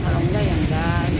kalau enggak ya enggak